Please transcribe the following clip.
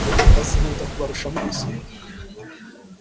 bazihuta kubarusha mwese